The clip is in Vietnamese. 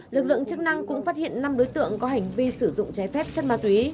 lực lượng chức năng cũng phát hiện năm đối tượng có hành vi sử dụng trái phép chất ma túy